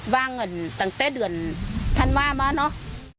บ้างตั้งแต่เดือนท่านว่ามาเนอะ